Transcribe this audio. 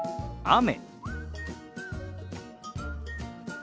雨。